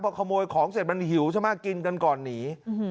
พอขโมยของเสร็จมันหิวใช่ไหมกินกันก่อนหนี